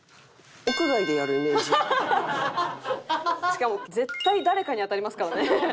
しかも絶対誰かに当たりますからね。